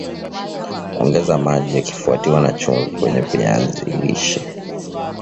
ongeza maji yakifuatiwa na chumvi kwenye viazi lishe